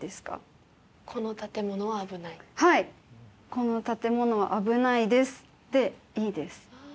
「この建物は危ないです」でいいです。